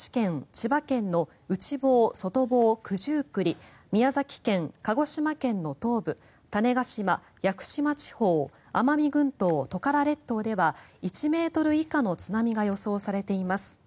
千葉県の内房、外房、九十九里宮崎県、鹿児島県の東部種子島・屋久島地方奄美群島・トカラ列島では１ｍ以下の津波が予想されています。